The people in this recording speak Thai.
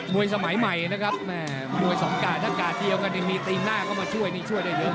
มวยสมัยใหม่นะครับมวยสองกาถ้ากาเทียวกันมีตีนหน้าก็มาช่วยนี่ช่วยได้เยอะ